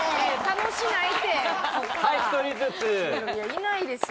いないですよ。